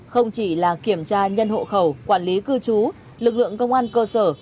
không chỉ là kiểm tra nhân hộ khẩu quản lý cư trú lực lượng công an cơ sở